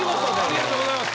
ありがとうございます。